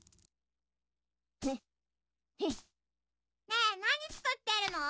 ねえなにつくってるの？